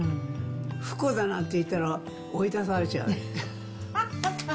不幸だなんて言ったら追い出されちゃう。